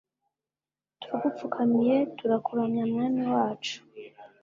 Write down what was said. Turagupfukamiye turakuramya mwami wacu